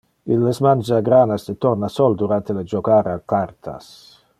Illes mangia granas de tornasol durante le jocar al cartas.